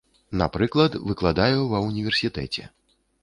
Напрыклад, выкладаю ва універсітэце.